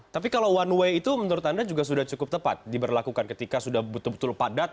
tapi kalau one way itu menurut anda juga sudah cukup tepat diberlakukan ketika sudah betul betul padat